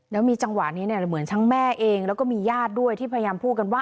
แล้วมีจังหวะนี้เนี่ยเหมือนทั้งแม่เองแล้วก็มีญาติด้วยที่พยายามพูดกันว่า